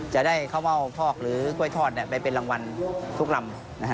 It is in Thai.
จะได้ข้าวเม่าฟอกหรือกล้วยทอดไปเป็นรางวัลทุกลำ